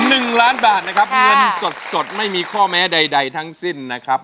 หนึ่งล้านบาทนะครับเงินสดสดไม่มีข้อแม้ใดใดทั้งสิ้นนะครับ